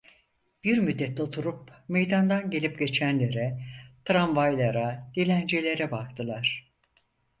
Bir müddet oturup meydandan gelip geçenlere, tramvaylara, dilencilere baktılar.